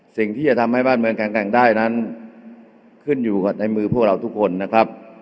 สิ่งที่จะทำให้บ้านเมืองแข็งแกร่งได้นั้นขึ้นอยู่กับในมือพวกเราทุกคนนะครับ